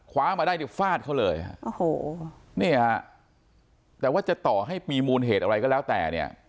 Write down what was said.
คว้ามาได้เนี่ยฟาดเขาเลยฮะโอ้โหนี่ฮะแต่ว่าจะต่อให้มีมูลเหตุอะไรก็แล้วแต่เนี่ย